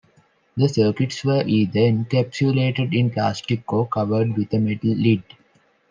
The circuits were either encapsulated in plastic or covered with a metal lid.